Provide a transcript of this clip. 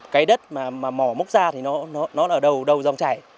cái đất mà mỏ mốc ra thì nó ở đâu đâu dòng chảy